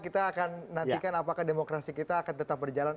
kita akan nantikan apakah demokrasi kita akan tetap berjalan